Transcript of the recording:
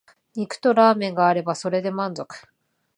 肉とラーメンがあればそれで満足